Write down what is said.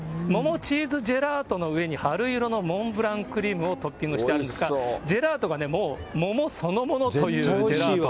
桃チーズジェラートの上に春色のモンブランクリームをトッピングしてあるんですが、ジェラートが桃そのものという、ジェラート。